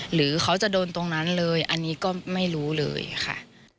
หรือเขาจะโดนตรงนั้นเลยอันนี้ก็ไม่รู้เลยค่ะ